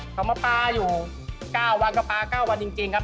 เขามาปลาอยู่๙วันก็ปลา๙วันจริงครับ